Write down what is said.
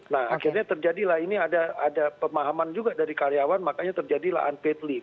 nah akhirnya terjadilah ini ada pemahaman juga dari karyawan makanya terjadilah unpadley